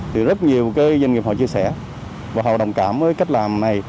thì rất nhiều doanh nghiệp họ chia sẻ và họ đồng cảm với cách làm này